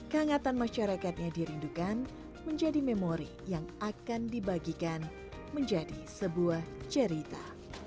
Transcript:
kehangatan masyarakatnya dirindukan menjadi memori yang akan dibagikan menjadi sebuah cerita